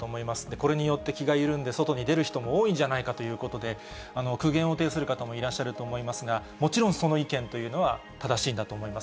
これによって気が緩んで、外に出る人も多いんじゃないかということで、苦言を呈する方もいらっしゃると思いますが、もちろん、その意見というのは正しいんだと思います。